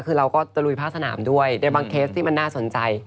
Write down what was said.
คือเราก็ตะลุยผ้าสนามด้วยในบางเคสที่มันน่าสนใจ